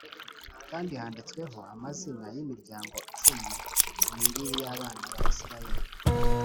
kandi handitsweho amazina y’imiryango cumi n’ibiri y’abana ba Isirayeli.